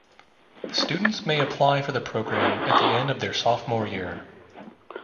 Students may apply for the program at the end of their sophomore year.